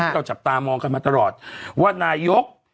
เราจับตามองกันมาตลอดว่านายก